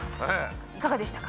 いかがでしたか？